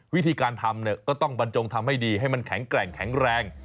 วิธีการทำเนี่ยก็ต้องบรรจงทำให้ดีให้มันแข็งแกร่งแข็งแรง